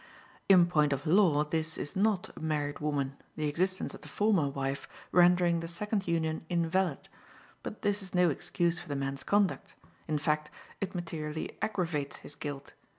In point of law, this is not a married woman, the existence of the former wife rendering the second union invalid; but this is no excuse for the man's conduct; in fact, it materially aggravates his guilt.